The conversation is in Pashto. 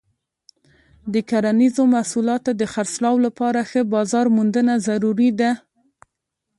د کرنیزو محصولاتو د خرڅلاو لپاره ښه بازار موندنه ضروري ده.